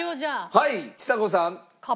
はいちさ子さん！